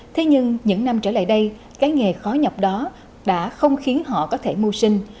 thế nhưng những năm trở lại đây cái nghề khó nhọc đó đã không khiến họ có thể mưu sinh